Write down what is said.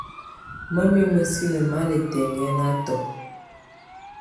Mamɛ̀á mǝ́sinǝ́ mà lɛ̀ tɛ̀hianatɔ.